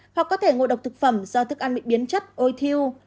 hoặc có thể ngộ độc thực phẩm do thức ăn bị biến chất ôi thiêu